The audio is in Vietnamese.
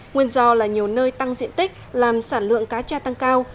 nguyên do là nhiều nơi tăng diện tích làm sản lượng cá tra tăng cao